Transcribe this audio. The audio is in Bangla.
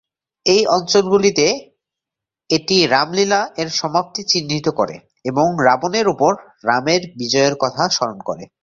এই অঞ্চলগুলিতে এটি "রামলীলা"-এর সমাপ্তি চিহ্নিত করে এবং রাবণের উপর রামের বিজয়ের কথা স্মরণ করে।